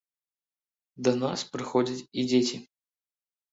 Да нас прыходзяць і дзеці.